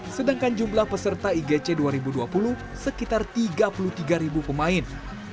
sedangkan jumlah peserta igc dua ribu dua puluh sekitar tiga puluh tiga pemain